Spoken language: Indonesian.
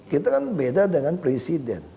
kita kan beda dengan presiden